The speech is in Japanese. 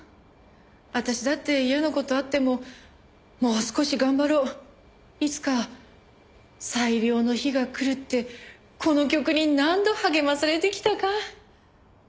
私だって嫌な事あってももう少し頑張ろういつか最良の日が来るってこの曲に何度励まされてきたか。